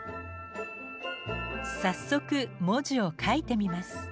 早速文字を書いてみます。